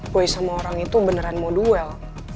boy sama orang itu beneran mau duel